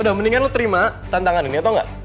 udah mendingan lo terima tantangan ini tau ga